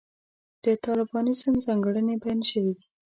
د طالبانیزم ځانګړنې بیان شوې دي.